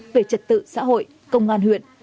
về trật tự xã hội công an huyện